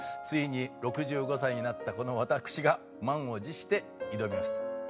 ついに６５歳になったこの私が満を持して挑みます。